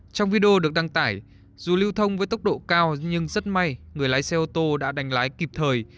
trong video được đăng tải dù lưu thông với tốc độ cao nhưng rất may người lái xe ô tô đã đánh lái kịp thời